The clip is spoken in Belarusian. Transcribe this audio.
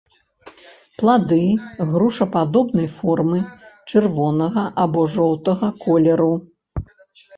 Плады грушападобнай формы, чырвонага або жоўтага колеру.